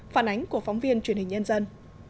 phản ánh của phóng viên truyền hình nhân dân